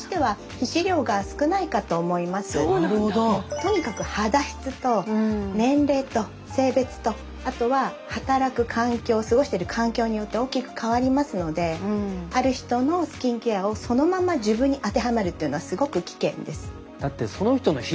とにかく肌質と年齢と性別とあとは働く環境過ごしてる環境によって大きく変わりますのである人のスキンケアをそのまま自分に当てはめるというのはすごく危険です。